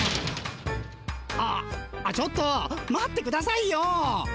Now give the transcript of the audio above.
ああっちょっと待ってくださいよ。